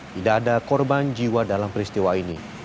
tidak ada korban jiwa dalam peristiwa ini